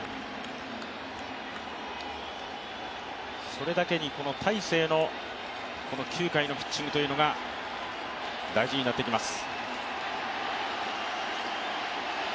それだけに大勢の９回のピッチングというのが大事になってきます。